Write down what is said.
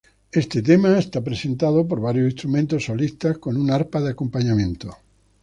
Este tema es presentado por varios instrumentos solistas con un arpa de acompañamiento.